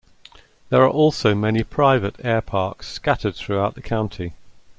There are also many private airparks scattered throughout the county.